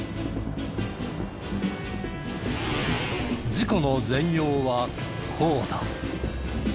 事故の全容はこうだ。